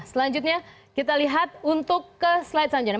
selanjutnya kita lihat untuk ke slide selanjutnya